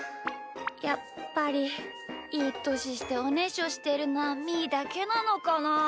やっぱりいいとししておねしょしてるのはみーだけなのかなあ。